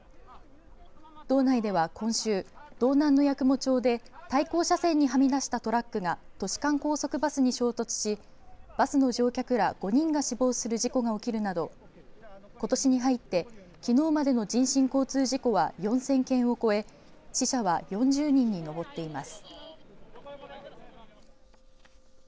道内では今週道南の八雲町で対向車線にはみ出したトラックが都市間高速バスに衝突しバスの乗客ら５人が死亡する事故が起きるなどことしに入ってきのうまでの人身交通事故は４０００件を超え死者は４０人に上っています。